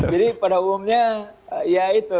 jadi pada umumnya ya itu